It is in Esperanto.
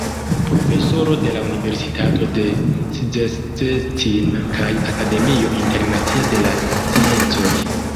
Profesoro de la Universitato de Szczecin kaj Akademio Internacia de la Sciencoj.